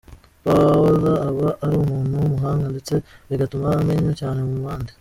Paola aba ari umuntu w’umuhanga ndetse bigatuma amenywa cyane mu bandi.